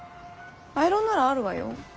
アイロンならあるわよ。